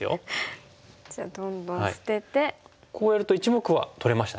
こうやると１目は取れましたね。